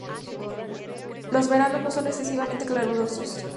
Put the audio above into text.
Los veranos no son excesivamente calurosos.